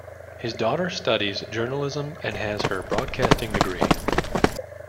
His daughter studies journalism and has her broadcasting degree.